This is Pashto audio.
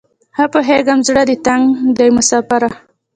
ښه پوهیږم زړه دې تنګ دی مساپره